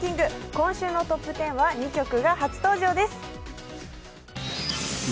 今週のトップ１０は２曲が初登場です